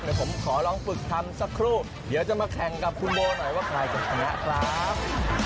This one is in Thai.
เดี๋ยวผมขอลองฝึกทำสักครู่เดี๋ยวจะมาแข่งกับคุณโบหน่อยว่าใครจะชนะครับ